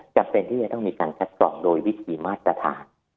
จำเป็นที่จะต้องมีการคัดกรองโดยวิธีมาตรฐาน